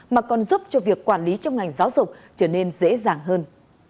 mà còn giúp cho việc quản lý trong ngành giáo dục trở nên dễ dàng hơn